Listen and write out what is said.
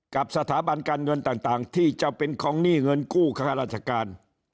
กับสถาบันการเงินต่างที่จะเป็นของหนี้เงินกู้ค่าราชการ